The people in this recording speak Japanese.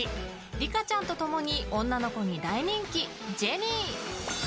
リカちゃんと共に女の子に大人気ジェニー。